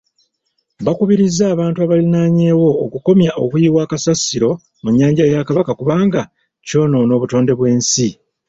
Bakubirizza abantu abalinanyewo okukomya okuyiwa kasasiro mu nnyanja ya Kabaka kubanga kyonoona obutonde bw'ensi.